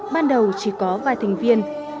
ban đầu chỉ có vài thành viên